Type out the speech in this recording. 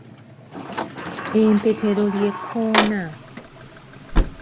Empetero ly’Ekkoona.